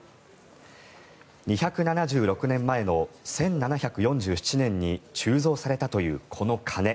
２７６年前の１７４７年に鋳造されたというこの鐘。